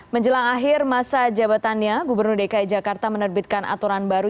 menjelang akhir masa jabatannya gubernur dki jakarta menerbitkan aturan baru